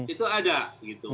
itu ada gitu